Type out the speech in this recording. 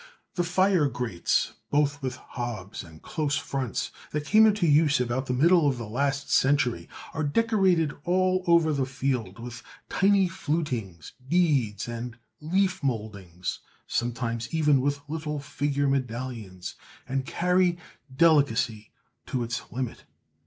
The fire grates, both with hobs and close fronts, that came into use about the middle of the last century, are decorated all over the field with tiny flutings, beads, and leaf mouldings, sometimes even with little figure medallions, and carry delicacy to its limit.